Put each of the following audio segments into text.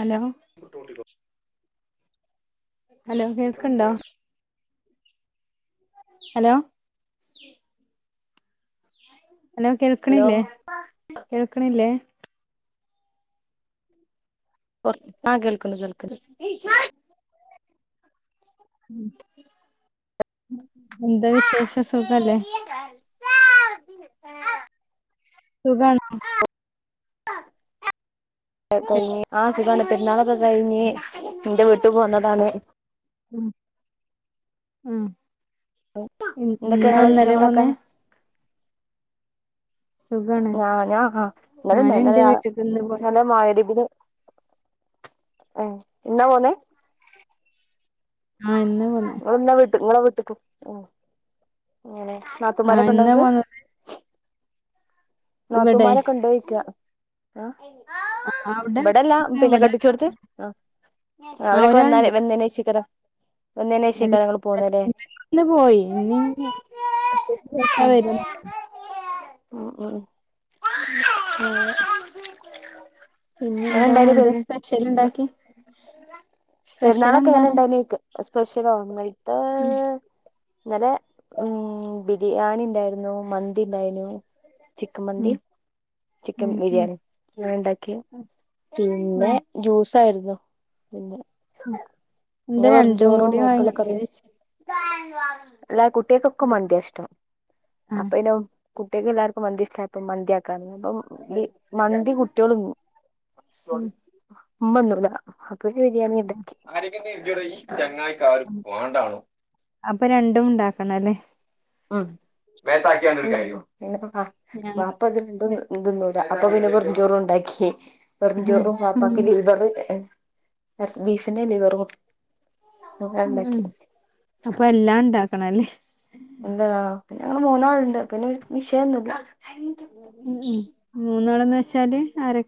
Hello [unintelligible] hello കേൾക്കുണ്ടോ hello hello കേൾക്കണില്ലേ കേൾക്കണില്ലേ കൊ ആഹ് കേൾക്കുന്നു കേൾക്കുന്നു എന്ത വിശേഷ സുഖ അല്ലേ സുഗാണ് ആഹ് സുഗാണ് പ്പെരന്നാല കഴിഞ്ഞ്‌ ന്റെ വീട്ട് പോന്നതാണ്. ഉം ഉം എന്തൊക്കെ ഇന്നാ ഇങ്ങളെ ഇന്നലെ വിശേഷങ്ങളൊക്കെ പൊന്നെ. സുഖാണ് ആഹ് ഞാൻ ആഹ് ഇന്നലെ തന്നെ ഞാന് ഇന്റെ വീട്ട്ക്ക് ഇന്ന് പോയതാ ഇന്നലെ മഗ്രിരിബിന്. ഏയ് ഇന്നാ പോന്നേ ആഹ് ഇന്ന പൊന്നേ ങ്ങളെന്നാ വീട്ട് ങ്ങളെ വീട്ട്ക്ക് ഉം ങ്ങനെ ആഹ് ഇന്നാ നാത്തൂമാരൊക്കെണ്ടോങ്ങക്ക്. പോന്നത് ഇവിടെ നാത്തൂമാരൊക്കെണ്ടോയിക്കാ. ആഹ് അവിടെ ഇവിടല്ല പിന്നെ ഇവിടെ കെട്ടിച്ചോട്ത്ത് ആ ആഹ് അവരൊക്കെ വന്നാല് ഒരാള്ണ്ട് വന്നേനെശേക്കരം വന്നേനേശേക്കാരം ങ്ങള് പോന്നല്ലെ ഇന്ന് പോയി ഇന്ന് ഇഞ്ഞ് ശേഷാ വര ഉം ഉം ഉം അങ്ങനെ പിന്നെന്താ എങ്ങനെണ്ടായ പെ എന്താ സ്പെഷ്യൽ ഇണ്ടാക്കി സ്പെഷ്യൽ പെരുന്നാളൊക്കെ എങ്ങനെ എന്താണ് ഇണ്ടായിനോയ്ക്ക സ്പെഷലോ ഇന്നൽത്താ ഉം ഇന്നലെ ഉം ബിരിയാണിണ്ടായിരുന്നു, മന്തിണ്ടായിനു ചിക്കൻ മന്തി ചിക്കൻ ഉം ഉം ഉം ബിരിയാണി ഞങ്ങള്ണ്ടാക്കി പിന്നെ ഉം ജ്യൂസായിരുന്നു പിന്നെ ഇത് പിന്ന രണ്ടും കൂടി വെറുംചോറും വാങ്ങി ഐക്ക്ള്ള കറീം വെച്ച് ല്ലാ കുട്ട്യേക്കൊക്കെ ഇത്- മന്ത്യാ ഇഷ്ടം ആ അപ്പൊന്നെ കുട്ട്യേക്കെല്ലാർ മന്തിഷ്ട്ടായപ്പൊ മന്തിയാക്കാന്ന് അപ്പം ബി മന്തി കുട്ട്യോള്ന്നും ഉം മ്മന്നൂലാ അപ്പ ബിരിയാണിണ്ടാക്കി അപ്പ രണ്ടും ണ്ടാക്കണല്ലേ. ഉം ഞങ്ങ ബാപ്പത് രണ്ടും തിന്നൂലാ അപ്പൊ പിന്നെ വെറുംചോറുണ്ടാക്കി ഉം വെറുഞ്ചോറും ബാപാക്ക് ഉം ലീവറ് എർച്ച് ബീഫിന്റെ ലിവറും ഉം ഉണ്ടാക്കി അപ്പൊ എല്ലാം ഉണ്ടാക്കണല്ലേ എന്താന്നാ പിന്നെ ഞങ്ങള് മൂന്നാള്ണ്ട് പിന്നെ ഒരു വിഷയൊന്നൂല്ല ഉം ഉം മൂന്നോള്ന്ന് വെച്ചാല് ആരൊ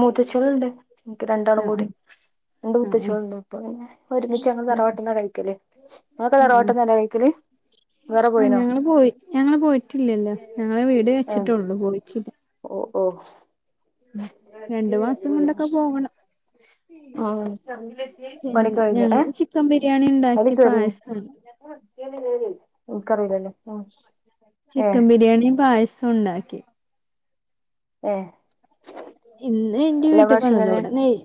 മൂത്തച്ച്യോള്ണ്ട് ൻക്ക് ആ രണ്ടാളും കൂടി രണ്ട് ആ ആ ആ ബൂത്തച്യോളുണ്ട് പ്പെപിന്നെ ഒരുമിച്ച് ഞങ്ങള് ഉം തറവാട്ട്ന്നാ കഴിക്കല് ങ്ങളൊക്കെ തറവാട്ട്ന്നല്ലെ കഴിക്കല് വേറെ ആഹ് പോയിനോ ഞങ്ങള് പോയി ഞങ്ങള് പോയിട്ടില്ലല്ലോ ഞങ്ങള് വീട് വെച്ചിട്ടൊള്ളൂ പോയിട്ടില്ല ഓഹ് ഓഹ് രണ്ട് മാസം കൊണ്ടൊക്കെ പോകണം ആഹ് പിന്നെ ഞങ്ങള് ചിക്കൻ ബിരിയാണിണ്ടാക്കി പായസം [unintelligible] ൻക്കറീലല്ലോ ചിക്കൻ ബിരിയാണീം പായസോണ്ടാ ഏഹ് ഇന്ന് ന്റെ എല്ലാ വീട്ട്ക്ക് പ്രാവശ്യം വന്ന്ക്കാ ഇങ്ങനെ വടെ നെയ്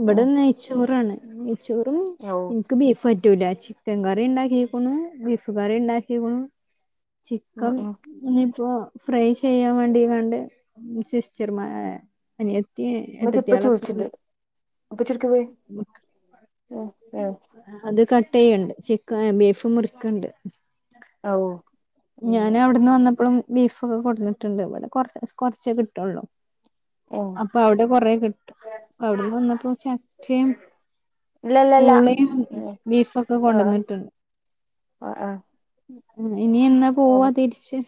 ഇബടെ ഉം നെയ്ച്ചോറാണ് നെയ്ച്ചോറും ഔ ൻക്ക് ബീഫ് പറ്റൂല ചിക്കൻകറിണ്ടാക്കിക്കുണു ബീഫ് കറിണ്ടാക്കിക്കുണു ഉം ചിക്കം ഉം പിന്നെ പ്പൊ ഫ്രൈ ചെയ്യാൻ വേണ്ടിങ്ങാണ്ട് സിസ്റ്റർമാ ഹ് അനയത്തി എട്ടത്തിയാളൊക്കന്ന് ഇപ്പച്ചി എവ്ട്ക്കേ പോയി. അത് കട്ടീയ്യണ്ട് ചി ക്ക ബീഫ് മുറിക്കണ്ട് ഔ അങ്ങനെ ഞാനവിട്ന്ന് വന്നപ്പഴും ബീഫ് ഒക്കെ കൊടുന്നിട്ടുണ്ട് ഇവടെ കൊറ കൊറച്ചേ കിട്ടൊള്ളൂ ഉം അപ്പൊ അവിടെ കൊറ കിട്ടും അവിടുന്ന് വന്നപ്പോ ചക്കേം ഇല്ലല്ലല്ല പൂളയും ഉം ബീഫൊക്കെ ആഹ് കൊണ്ടന്നിട്ടുണ്ട് ആഹ് ആഹ് ഇനി എന്നാ പോവ തിരിച്ച്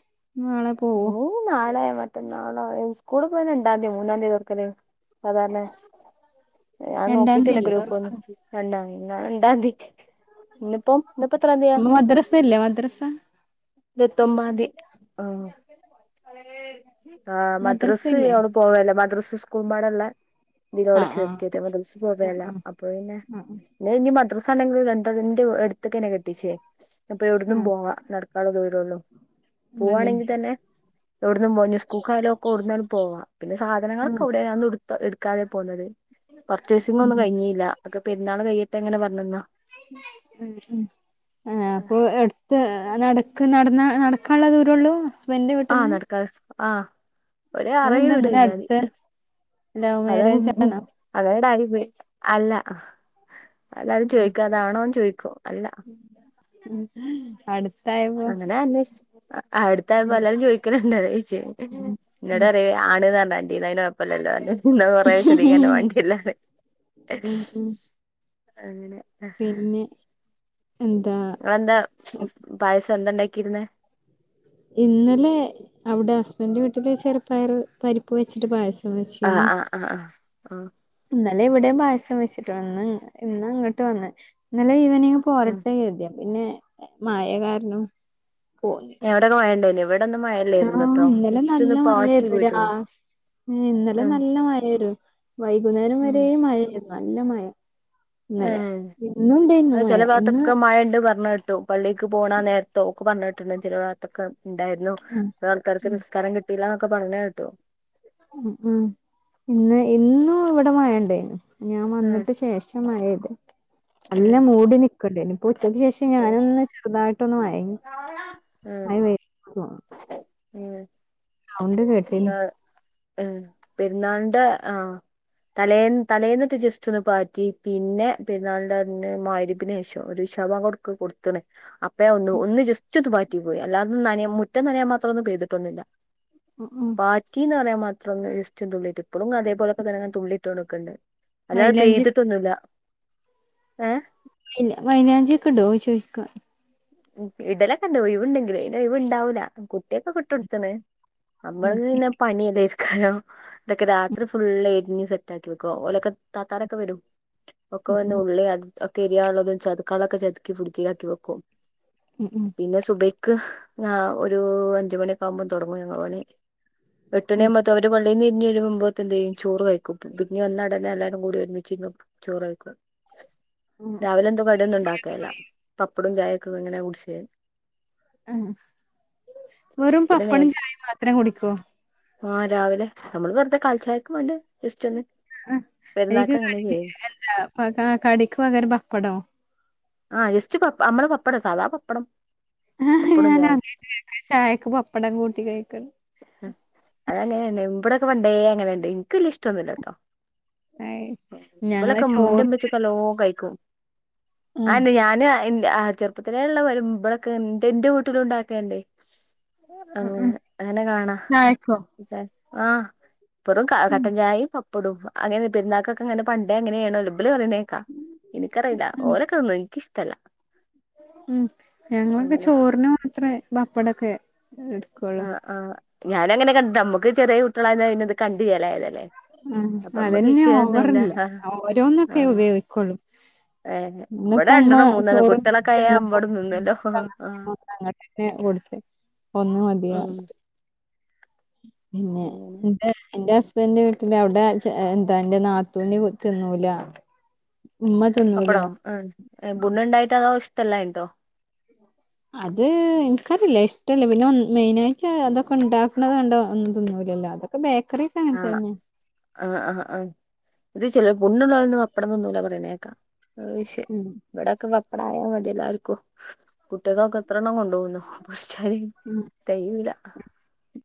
നാളെ പോവോ നാളായ മറ്റനാളൊ സ്കൂളി പോ രണ്ടാം തീയതി മൂന്നാം തീയതി തുറക്കല് സാധാരണ. ഞാൻ രണ്ടാം തീയതി നോക്കിട്ടില്ല അല്ലേ ഗ്രൂപ്പ് തുറക്ക ഒന്നും രണ്ടാ രണ്ടതിയതി ഇന്നിപോ ഇന്നിപ്പ എത്രന്തിയാ? അപ്പൊ മദ്രസ ഇല്ലേ മദ്രസ ഇരുപത്തൊമ്പതാ ന്തി ആഹ. ആഹ മദ്രസ മദ്രസ് ഇല്ലേ ഓള് പോവലില്ല മദ്രസ് സ്കൂൾബാടല്ല. ഇതിലാ ഓള ആഹ് ആഹ് ചേർത്തിയത് മദ്രസ് പോവലില്ല ആഹ് അപ്പ പിന്നെ. ആഹ് ഞാൻ ഇനി മദ്രാസ ആണെങ്കിലും രണ്ടതിറെ എടുത്ത്ക്കനെ കെട്ടീച്ചേ. അപ്പ എവിടുന്നും ആഹ് പോവാ നടക്കാള ദൂരൊള്ളൂ ആഹ് അതെ പോവാണെങ്കിൽ തന്നെ. എവിടന്നും പോവ ഇഞ്ഞ് സ്കൂൾക്കായലൊക്കെ ഓടുന്നയാലും പോവാ പിന്നെ സാധനങ്ങളൊക്കെ ആഹ് അവിടെയന്ന് എടുക്കാതെ പോന്നത്. പർച്ചേസിംഗ് ഉം ഒന്നും കഴിഞ്ഞീല്ല അതൊകെ പെരുന്നാള് കഴിയിട്ടെ ഇങ്ങനെ പറഞ്ഞ് നിന്ന താ. [unintelligible] ഉ ഉ ആ അപ്പൊ എടുത്ത് നടക്ക് നടന്ന നടക്കാനുള്ള ദൂ രൊള്ളൂ? ആഹ് നടക്കാൻ ആഹ് ഒര് ആറേഴു അതെന്താ ഇങ്ങനെ വിടഴിഞ്ഞാല് അടുത്ത് ലവ് മതി മാരേജ് ആണോ അത അവരു ഡൈഫ്പോയി അല്ല എല്ലരും ഉം ചോയികു അതാണോന്ന് ചോയി കും അല്ല. ഉം അടുത്ത. അങ്ങനെ അന്വേഷിച്ചു അടുത്തായപ്പ ഉം എലാരും ചോദിക്കല്ണ്ട് അതാ ചോയിച്ചേ ഉം ഉം ഇന്നോടപറയും ആണ്ന്ന് പറഞ്ഞാമതിയെന്നെന്നു അ കൊഴപ്പല്ലല്ലോ ന്നാ കൊറേ വിശദികരണം വാണ്ടി വരില്ലാ. ഉം ഉം അങ്ങനെ. പിന്നെ എന്താ? എന്താ പായസം എന്താ ഇണ്ടാക്കിയിരുന്നേ? ഇന്നലെ അവിടെ ഹസ്ബൻഡിന്റെ വീട്ടില് ചെറുപ്പയർ പരിപ്പ് വെച്ചിട്ട് പായസം. ആഹ് വെച്ചിരുന്നു ആഹ് ആഹ് ആഹ് ആഹ്. ഇന്നലെ ഇവിടെയും പായസം വെച്ചിട്ട് വന്ന് ഇന്ന് ഇങ്ങട്ട് വന്ന് ഇന്നലെ ഈവനിംഗ്. ഉം പോരട്ടെ കരുതി പിന്നെ മയ കാരണം പോന്നില. അവിടൊക്കെ മഴ ണ്ടേയ് നിയോ ഇവി ആഹ് ഇന്നലെ നല്ല പാറ്റി മഴായിരുന്നു രാ പോയിട്ടുള്ളൂ ഇന്നലെ ആഹ് നല്ല മഴേരുന്നു വൈകുന്നേരം ഉം വരെ നല്ല മഴേരുന്നു നല്ല മഴ. ഇന്നലെ അഹ് ഇന്നുണ്ടായിരുന്നു അത് മഴ ചില ഇന്ന് ഭാഗത്തൊക്കെ മയണ്ട് പറഞ്ഞേട്ട. ട്ടു പള്ളിക്ക് പോണ നേരത്തോ ഒക്കെ പറഞ്ഞിട്ടുണ്ട് ചില. തൊക്കെ ഉണ്ടായിരുന്നു ഉം കുറേ ആൾക്കാർക്ക് ഉം നിസ്കാരം കിട്ടിയിലാന്നൊക്കെ പറഞ്ഞേട്ടു. ഉം ഇന്ന് ഇന്നും ഇവിടെ മയണ്ടേനു ഞാൻ ഉം വന്നിട്ട് ശേഷം. മഴ പെയ്തേ ഉം നല്ല മൂടി നിക്കണ്ടേനിപ്പോ ഉച്ചയ്ക്ക് ശേഷം. പക്ഷെ ഓ ഞാനൊന്ന് ചെറുതായിട്ടൊന്ന് മയങ്ങി ആഹ് മയ. ഉം കേട്ടീനി ന്നാ ഏഹ് പെരുന്നാളിന്റെ ആഹ് തലേ തലേന്നിട്ട് ജസ്റ്റ് ഒന്ന് പാറ്റി പിന്നെ പിന്ന പെരുനാളിന്റെ അന്ന് മഗ്രി രിബിന് ശേഷം. ഒരു ഇശാ ബാങ്ക് കൊടുക്ക കൊടു. ത്ത്ണ് അപ്പ ഞാൻ ഒന്ന് ഒന്ന് ജസ്റ്റ് ഒന്ന് പാറ്റി പോയി അല്ലാതെ നനയാൻ മുറ്റം നനയാൻ മാത്രം ഒന്നും പെയ്തിട്ടൊന്നുല്ല. ഉംഉം - പാറ്റിന്ന് പറയാൻ മാത്ര ഒന്ന് ജസ്റ്റ് തുള്ളിട്ട് ഇപ്പഴും അതേ പോലൊക്കെ തന്നെ തുള്ളി ട്ടോണ്ട്‌ നിക്ക്ണ്ട്. അല്ലാതെ മൈലാഞ്ചി പെയ്തിട്ടൊന്നുല്ല ഏഹ് മൈലാഞ്ചിയൊക്കെ ഇടോ ചോദിക്കാ? ഉം ഇ ടലൊക്കെ ഇണ്ട് ഒഴിവുണ്ടെങ്കില് അതിന് ഒഴിവണ്ടാവൂല്ല കുട്ടിയാ കൊക്കെ ഇട്ട് കൊടുത്ത്ണ്. ഉം നമ്മളത് പിന്നെ പണി ഇല്ലാ ഇരിക്കാനോ ഇതൊക്കെ രാത്രി ഫുള്ള് എരിഞ്ഞ് തീ ഇതാക്കി വെക്കും ഓലൊക്കെ താത്താലൊക്കെ വരും ഒക്കെ ഉം വന്ന് ഉം ഉള്ളി അത്. ഒക്കെഎരിയാള്ളതും ചത്ക്കാളൊക്കെ ചതക്കി ഫ്രിഡ്ജിലാക്കിവെക്കും ഉം ഉം പിന്നെ സുബൈയ്ക്ക് ഒരു അഞ്ച്മണിയൊക്കെ ആകുമ്പോ തുടങ്ങും ഞങ്ങള് പണി എട്ടുമണി ഉം ആവുമ്പോത്ത് അവര് പ ള്ളിന്നിരിഞ്ഞ് വെരുമ്പോത്തിന്തേയ്യും ചോറ് വെയ്ക്കും തിരിഞ്ഞ് വന്നയുടനെ എല്ലാരും കൂടി ഒരുമിച്ചിരുന്ന് ചോറ് കഴിക്കും ഉം ഉം രാവിലെ എന്തോ കടിയൊന്നുണ്ടാക്കേല്ല പപ്പടും ചായൊക്കെ അങ്ങനെ കുടിച്ച് ആഹ് വെറും പപ്പടും ചായേം മാത്രം കുടിക്കോ ആഹ് രാവിലെ നമ്മള് വെറുതെ കാലിചായക്കും വാണ്ടി ജെസ്റ്റ് ഒന്ന് ആഹ് അയ്ക്ക് പെരുന്നാക്ക് കടി അങ്ങനല്ലെ എന്താ പക കടിക്ക് പകരം പപ്പടോ ആഹ് ജസ്റ്റ് പപ്പ അമ്മളെ പപ്പടം സാദാ പപ്പടം ആഹ് പപ്പടം ചായിം ഞാനാദ്യായിട്ട് കേക്കുവാ ചായക്ക് പപ്പടം കൂട്ടി കഴിക്കല് അത് അങ്ങനന്നേ ഇമ്പടക്കെ പണ്ടേ അങ്ങനൊണ്ട് ഇനക്ക് വെല്ല്യ ഇഷ്ട്ടൊന്നൂല്ല്യട്ടോ അയ് ഇവലൊക്കെ ഞങ്ങളെ ഉം ഇന്റെ ചോറ് ഉമ്മച്ചിക്കെ നല്ലോണം കഴിക്കും ഉം ആയിന്ന് ഞാനും ഇ ആഹ് ചെറുപ്പത്തിലേള്ള വരുമ്പളൊക്കെ ഇന്റെ ഇന്റെ വീട്ടിലുണ്ടാക്കേണ്ടേ അങ്ങനെ അങ്ങനെ കാണാം വിചാരി ആഹ് ഇപ്പറും ക ഉം കട്ടഞ്ചായും പ പെടും അങ്ങനെ പെരുന്നാക്കൊക്കെ ഇങ്ങനെ പണ്ടേ അങ്ങനെയാണല്ലോ ഇബല് പറയുന്നേക്കാം ഇനിക്കറിയില്ല ഓരൊക്കെ തിന്നും എനിക്കിഷ്ടല്ല ഉം ഞങ്ങളൊക്കെ ചോറിന് മാത്രേ പപ്പടൊക്കെ എ ആഹ് ഞാനങ്ങനെ കണ്ടെ അമ്മക്ക് ചെറ്യേ കുട്ട്യളായന്നാൽ ഇത് കണ്ട് ചെലായതല്ലേ ആഹ് അതന്നെ ഓവറേല്ലേ ആ ഓരോന്നൊക്കെ ഉപയോഗിക്കൊള്ളൂ ഏ ഇവിടെ ഇന്നിപ്പോ ഉമ്മ രണ്ടെണ്ണം മൂന്നെണ്ണം ചോറ്ണ്ടാക്കി കുട്ടികളൊക്കായ തന്നപ്പോ അമ്പാടും നിന്നല്ലോ ആ [unintelligible] അങ്ങട്ടന്നേ കൊടുത്ത് ഒന്ന് മതീ ഉം അറിഞ്ഞിട്ട് പിന്നെ അങ്ങനെ ഇന്റെ ഇന്റെ ഹസ് സ്ബന്റ് വീട്ടില് അവടെ എന്താ ഇന്റെ നാത്തൂന് തിന്നൂല ഉമ്മ തിന്നൂല പപ്പടോ ആഹ് ബുണ്ണ്ണ്ടായിട്ടോ അതോ ഇഷ്ടല്ലാഞ്ഞിട്ടോ അത് ഇൻക്കറിയില്ലേ ഇഷ്ടല്ല പിന്നെ വ മെയിനായിട്ട് അതൊക്കെ ഇണ്ടാക്കണ കണ്ടാ ഒന്നും തിന്നൂലല്ലോ അതാ ബേക്കറിയൊക്കെ അങ്ങനെതന്നെ ആഹ് ആഹ് ആഹ് ഇത് ചെലേ പുണ്ണ്ള്ളോലൊന്നും പപ്പടം തിന്നൂല പറയണേക്കാം അഹ് ശെ ഉം ഇവടൊക്കെ പപ്പടം ആയാമതി എല്ലാര്ക്കും പുട്ട്കൊക്കെ എത്രണ്ണം കൊണ്ടോവും നൊ പക്ഷേതി ഉം തെകയൂല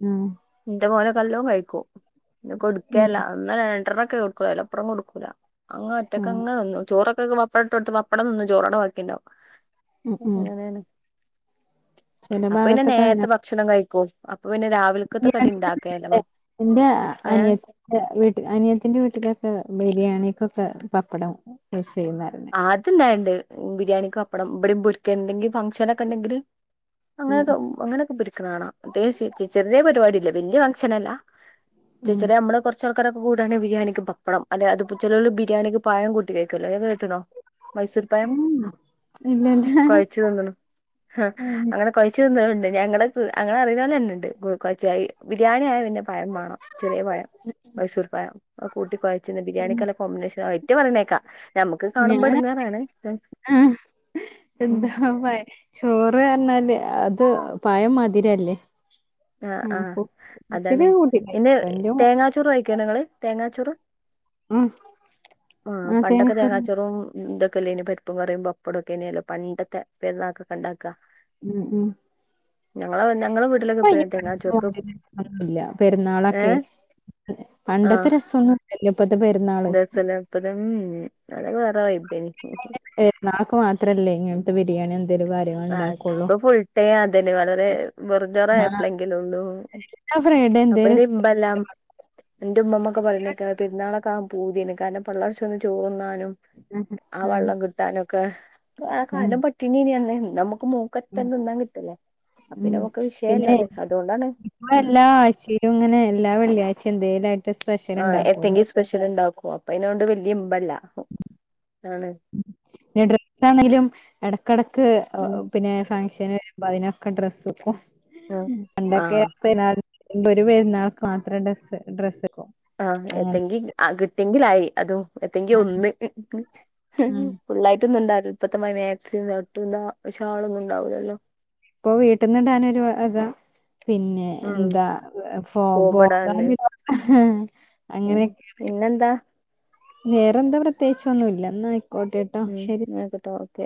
ആഹ് ഇന്റെ മോനോക്കെല്ലോ കഴിക്കും പിന്നെ ഉം കൊടുക്കേല്ല ഒന്നോ രണ്ടോണൊക്കെ കൊടുക്കൊള്ളൂ അയിലപ്പുറം കൊടുക്കൂല അങ്ങ് ആഹ് ഒറ്റക്കെങ്ങ് നിന്നു ചോറൊക്കെക്ക് പപ്പടം ഇട്ടൊടുത്ത് പപ്പടം തിന്നും ചോറവിടെ വാക്കിയുണ്ടാവും ഉം ഉം അങ്ങനേണ് ചില അപ്പൊ പിന്നെ ഭാഗത്തൊക്കെ അങ്ങനെ നേരത്തെ ഭക്ഷണം കഴിക്കും അപ്പൊ പിന്നെ രാവിൽക്കത്തെ കടി ഇണ്ടാക്കേല്ല ഇന്റെ അനിയ എന്റെ വീട്ടിൽ അനിയത്തീന്റെ വീട്ടിലൊക്കെ ബിര്യാണിക്കൊക്കെ പപ്പടം യൂസ് ചെയ്യുന്ന ആരുന്നെ ആഹ് അതുണ്ടായൊണ്ട് ബിരിയാണിക്ക് പപ്പടം ഇബടിം പൊരിക്കേ എന്തെങ്കി ഫംഗ്ഷനൊക്കെണ്ടെങ്കില് ഉം അങ്ങനെത്തോ അങ്ങനെയൊക്കെ പൊരിക്കണ കാണാം പ്രത്യേകിച്ച് ചെ ചെറ്യേ പരിപാടില്ലേ വെല്ല്യ ഫംഗ്ഷനല്ല ഉം ചേച്ചരേ അമ്മള് കൊറച്ചാൾക്കാരൊക്കെ കൂടേണ് ബിരിയാണിക്ക് പപ്പടം അല്ലേ അതപ്പം ചെലോല് ബിരിയാണിക്ക് പഴം കൂട്ടി കഴിക്കല്ലോ അത് കേട്ടണോ മൈസൂർപഴം ഉം ഇല്ലല്ല കൊഴച്ചിതിന്ന്ണ് ആഹ് ഉം. അങ്ങ കൊഴച്ച്തിന്നാറുണ്ട് ഞങ്ങളെതൂ അങ്ങളഅറിയുന്നോലെന്നെണ്ട് ഗുകൊച്ചായി ബിര്യാണിആയതിന്റെപഴംമാണം ചെറ്യേപഴം മൈസൂർപഴം അഹ്കൂട്ടി കൊഴച്ചിന്ന് ബിരിയാണിക്കല്ല കോമ്പിനേഷനാ അയിറ്റപറിണേക്കാ ഞാന ആഹ് ഉം എന്താപ ചോറ്അർഞ്ഞാല് അത് പാഴംമാതിര്യല്ലേ അഹ് ആഹ് അതാണ് കൂട്ടില്ല പിന്നെഹ് എന്റെ മോ തേങ്ങാ ച്ചോറ് കഴിക്കെണ്ടോ ങ്ങള് തേങ്ങാച്ചോറ്? ആഹ് ആ ആഹ് തേങ്ങ പണ്ടൊക്കെ ചോറ് തേങ്ങാച്ചോറും. തൊ ക്കെല്ലേന്യോ ഇ പര്പ്പ് കറിം പപ്പടൊക്കെ ല്ല്യേനോ പണ്ടത്തെ പെര്ന്നക്കൊക്കെ ണ്ടാക്കാ. ഉം ഉം ഞങ്ങള ഞങ്ങളെ വീട്ടില് [unintelligible] രസൊന്നുല്ല പെരുന്നാളൊക്കെ ഏഹ് പണ്ടത്തെ ആഹ് രസൊന്നും. ല്ല്യ പത്തെ പെര് [unintelligible] അതൊക്കെ വേറെ വൈബേനി. പെര്ന്നാൾ മാത്രല്ലേ ഇങ്ങൻത്തെ ബിരിയാണി എന്തേലും കാ ഇപ്പ ഫുൾടൈം അതന്നെ വളരെ വെർഞ്ചോർ യപ്പഴെങ്കിലും ഉള്ളു. ആഹ് ഫ്രൈഡേ അപ്പൊ എന്തേലും ഇനി ഇമ്പെല്ലാം. സ്പെഷ്യല് എന്റെ ഉമ്മൊക്കെ പറഞ്ഞേക്കെ പെരുന്നാളൊക്കെ ആൻ പൂതിയേനി കാരണം പള്ളർച്ചം ഒന്ന് ചോർ ന്നാനും. ഉം ആ ഉം വെള്ളം കിട്ടാനൊക്കെ ആ ഉം കാലം പട്ടിണി യേനി അന്ന്, ഇന്ന് മ്മക്ക് മൂ ഉം ക്കറ്റം തിന്നാ കിട്ടല്ലേ അ പിന്നെ ഉം. നമുക്ക് വിഷയമല്ല പിന്നെ അത് അതുകൊണ്ടാണ്. ഉം എല്ലാ ആഴ്ചയിലും ഇങ്ങനെ എല്ലാ വെള്ളിയാഴ്ച്ചിം എന്തേലും അയി ആഹ് എതെങ്കിലും സ്പെഷ്യൽ ഉണ്ടാക്കോ അപ്പൊ അതിനൊണ്ട് വല്യ ഇമ്പല്ല ആണ്. പിന്നെ ഡ്രസ്സണെങ്കിലും ഇടക്കിടക്ക്. ഉം പിന്നെ ഫംഗഷന് വരുമ്പോ അതിനൊക്കെ ഡ്രസ്സ് ട്ക്കും ഉം പണ്ടൊക്കെ ആഹ് ഒരു പെരുന്നാൾക്ക് മാത്രം ഡ്രസ് ഡ്രസ്സ്ട്ക്കും. ആഹ് എത്തെ ങ്കിൽ കിട്ടെങ്കിലയി അതോ ഏത്തങ്കി ഒന്ന്. ഉം ഫുള്ളായിട്ടൊന്നും ഉണ്ടാവില്ല ഇപ്പത്തമാരി മാക്സിം തട്ടും ഷാ ളൊന്നും ഉണ്ടാവൂല്ലല്ലോ. ഇപ്പൊ വീട്ട് ടാനൊരു വക. പിന്നെ ഉം എന്താ ഫോ ബോ പോകുമ്പടാനല്ലേ [unintelligible] ഉം അങ്ങനെയൊക്കെ. പിന്നെന്താ? വേറെ ന്താ പ്രത്യേകിച്ച ന്നും ഇല്ല ന്ന ആയിക്കോട്ടെ. ന്നാ അയിക്കോട്ടെ ഓക്കെ.